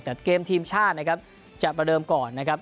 แต่เกมทีมชาตินะครับจะประเดิมก่อนนะครับ